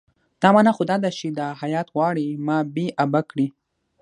دا معنی خو دا ده چې دا هیات غواړي ما بې آبه کړي.